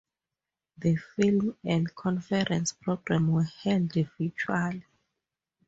The film and conference program were held virtually.